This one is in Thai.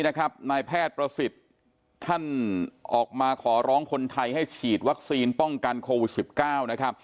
นายแพทย์ประสิทธิ์ท่านออกมาขอร้องคนไทยให้ฉีดวัคซีนป้องกันโควิด๑๙นะครับ